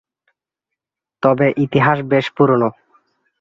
তবে ইতিহাস বেশ পুরোনো।